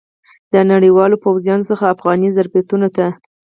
د نړیوالو پوځیانو څخه افغاني ظرفیتونو ته.